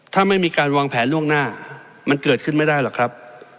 ถ้าไม่มีการวางแผนล่วงหน้ามันเกิดขึ้นไม่ได้หรอกครับ